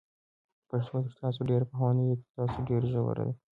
پښتو تر تاسو ډېره پخوانۍ ده، تر تاسو ډېره ژوره ده،